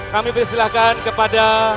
kami persilahkan kepada